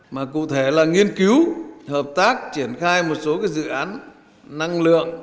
mà cụ thể là nghiên cứu hợp tác triển khai một số dự án năng lượng